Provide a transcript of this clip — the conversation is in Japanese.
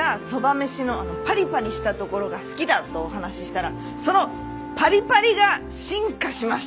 めしのパリパリしたところが好きだとお話ししたらそのパリパリが進化しました！